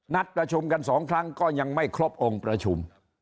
นัดประชุมกันสองครั้งก็ยังไม่ครบองค์ประชุม